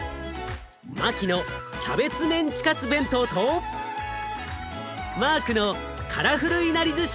マキのキャベツメンチカツ弁当とマークのカラフルいなりずし